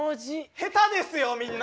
下手ですよみんな！